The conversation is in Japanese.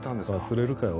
忘れるかよ